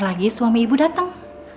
lagi suami ibu datang